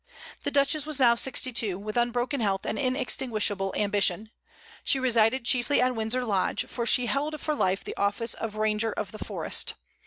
The Duchess was now sixty two, with unbroken health and inextinguishable ambition. She resided chiefly at Windsor Lodge, for she held for life the office of ranger of the forest.